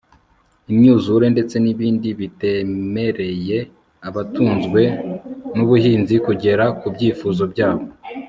imyuzure, ndetse n' ibindi bitemereye abatunzwe n' ubuhinzi kugera ku byifuzo byabo